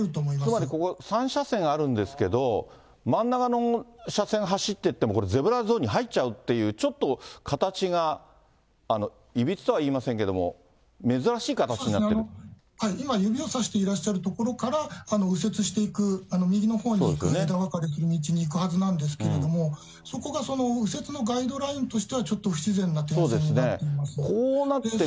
つまりここ、３車線あるんですけど、真ん中の車線走っていっても、これ、ゼブラゾーンに入っちゃうっていう、ちょっと形がいびつとは言いませんけれども、珍しい形になってるそうですね、今、指を指していらっしゃる所から右折していく、右のほうに行く、枝分かれの道に行くはずなんですけれども、そこが、その右折のガイドラインとしては、ちょっと不自然な点線になっています。